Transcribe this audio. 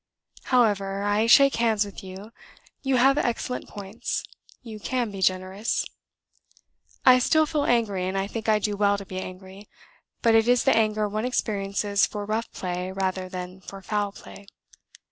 "However, I shake hands with you: you have excellent points; you can be generous. I still feel angry, and think I do well to be angry; but it is the anger one experiences for rough play rather than for foul play.